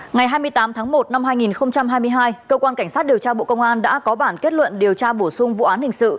ngày hai mươi tám tháng một năm hai nghìn hai mươi hai cơ quan cảnh sát điều tra bộ công an đã có bản kết luận điều tra bổ sung vụ án hình sự